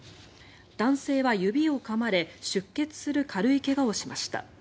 男性は指をかまれ出血する軽い怪我をしました。